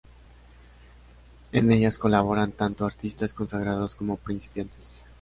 En ellas colaboran tanto artistas consagrados como principiantes.